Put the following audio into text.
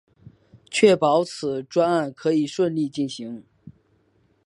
确保此专案可以顺利进行